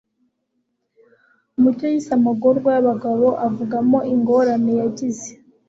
mucyo yise amagorwa y'abagabo avugamo ingorane yagize